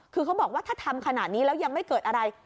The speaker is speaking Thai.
คือเขาบอกว่าถ้าทำขนาดนี้แล้วยังไม่เกิดอะไร